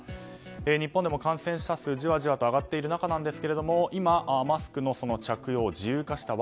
日本でも感染者数がじわじわと上がっている中ですが今、マスクの着用を自由化した訳。